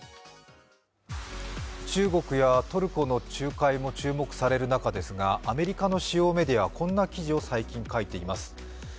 中国やトルコの仲介も注目される中ですが、アメリカの主要メディアこんな記事を最近、書いています。